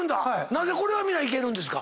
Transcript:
なぜこれは皆いけるんですか？